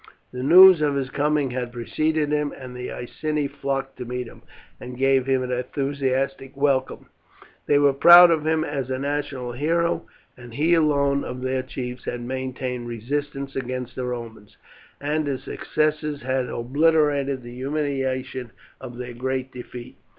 The news of his coming had preceded him, and the Iceni flocked to meet him, and gave him an enthusiastic welcome. They were proud of him as a national hero; he alone of their chiefs had maintained resistance against the Romans, and his successes had obliterated the humiliation of their great defeat.